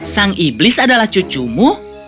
sang iblis adalah cucumu